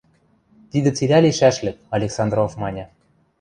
Тидӹ цилӓ лишӓшлык, – Александров маньы.